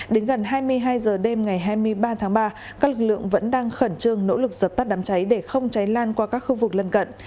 đến gần hai mươi hai h đêm ngày hai mươi ba tháng ba các lực lượng vẫn đang khẩn trương nỗ lực dập tắt đám cháy để không cháy lan qua các khu vực lân cận